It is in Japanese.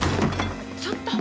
ちょっと！